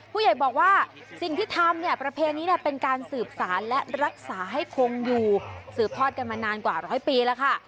ผู้ใหญ่บอกว่าสิ่งที่ทำเนี่ยประเพณีเป็นการสืบสารและรักษาให้คงอยู่สืบทอดกันมานานกว่าร้อยปีแล้วค่ะ